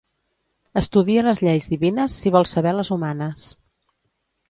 Estudia les lleis divines si saber vols les humanes.